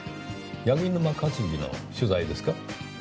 柳沼勝治の取材ですか？